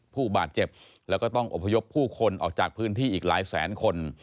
ผู้บาดเจ็บแล้วก็ต้องอบพยพผู้คนออกจากพื้นที่อีกหลายแสนคน